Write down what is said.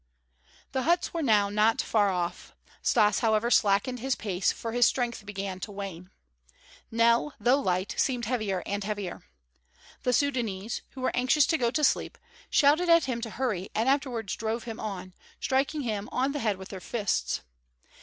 The huts were now not far off. Stas, however, slackened his pace for his strength began to wane. Nell, though light, seemed heavier and heavier. The Sudânese, who were anxious to go to sleep, shouted at him to hurry and afterwards drove him on, striking him on the head with their fists.